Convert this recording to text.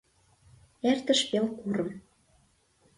Эртыш пел курым...